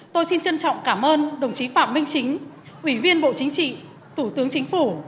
tôi xin trân trọng cảm ơn đồng chí phạm minh chính ủy viên bộ chính trị thủ tướng chính phủ